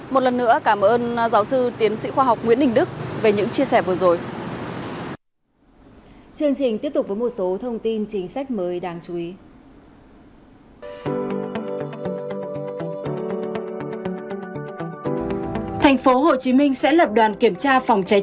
một lần nữa cảm ơn giáo sư tiến sĩ khoa học nguyễn đình đức về những chia sẻ vừa rồi